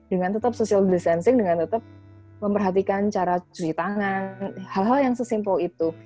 dengan tetap social distancing dengan tetap memperhatikan cara cuci tangan hal hal yang sesimpel itu